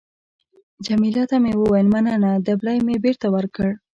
جميله ته مې وویل: مننه. دبلی مې بېرته ورکړ.